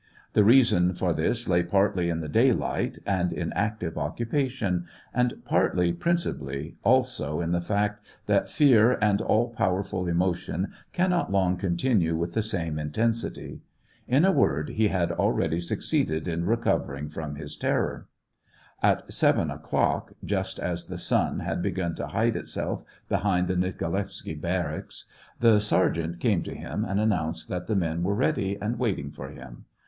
The reason for this lay partly in the daylight and in active occupation, and partly, principally, also, in the fact that fear and all pow *" Manual for Artillery Officers," by Bezak. SEVASTOPOL IN AUGUST. 223 erful emotions cannot long continue with the same intensity. In a word, he had already succeeded in recovering from his terror. At seven o'clock, just as the sun had begun to hide itself behind the Nikolaevsky barracks, the sergeant came to him, and announced that the men were ready and waiting for him.